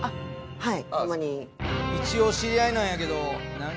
はい。